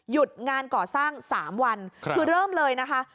หยุดงานก่อสร้างสามวันครับคือเริ่มเลยนะคะ